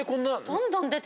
どんどん出てくる！